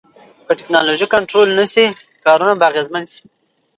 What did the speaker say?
که ټکنالوژي کنټرول نشي، کارونه به اغیزمن شي.